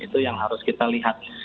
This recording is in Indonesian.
itu yang harus kita lihat